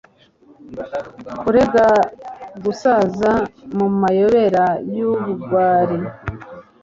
Kurega gusaza mumayobera yubugwari